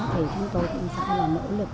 thì chúng tôi cũng phải nỗ lực